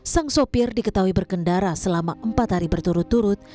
sang sopir diketahui berkendara selama empat hari berturut turut